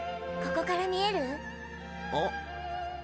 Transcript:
ここから見える？